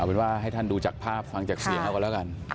เป็นว่าให้ท่านดูจากภาพฟังจากเสียงเขาก็แล้วกัน